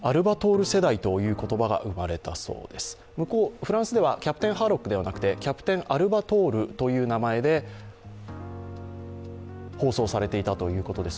フランスではキャプテンハーロックではなくてキャプテンアルバトールという名前で放送されていたそうです。